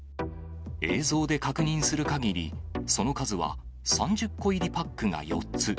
映像で確認するかぎり、その数は３０個入りパックが４つ。